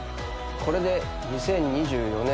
これで２０２４年